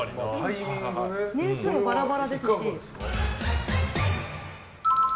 年数もバラバラですし。